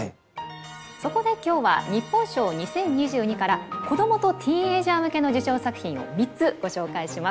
そこで今日は日本賞２０２２から子どもとティーンエージャー向けの受賞作品を３つご紹介します。